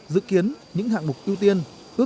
dự kiến những hạng mục ưu tiên